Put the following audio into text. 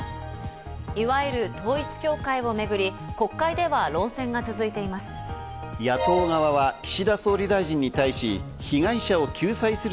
いわゆる統一教会をめぐり、国会では論戦が続いています。